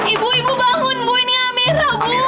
ibu ibu bangun bu ini amira bu